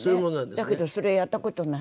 だけどそれやった事ない。